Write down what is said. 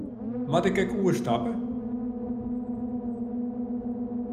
Moat ik ek oerstappe?